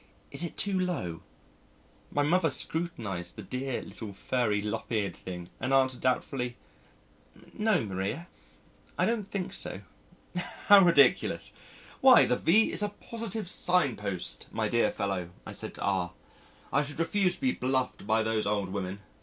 Is it too low?' My Mother scrutinised the dear little furry, lop eared thing and answered doubtfully, 'No, Maria, I don't think so.'" "How ridiculous! Why the V is a positive signpost. My dear fellow," I said to R , "I should refuse to be bluffed by those old women.